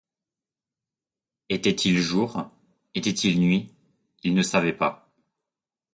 Était-il jour? était-il nuit ? il ne savait.